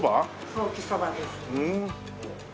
ソーキそばです。